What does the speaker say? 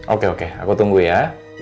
oke oke aku tunggu ya